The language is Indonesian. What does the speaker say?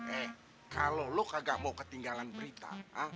eh kalau lu kagak mau ketinggalan berita ha